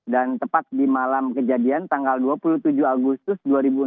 dan tepat di malam kejadian tanggal dua puluh tujuh agustus dua ribu enam belas